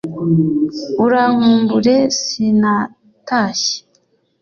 urankumbure sinatashye,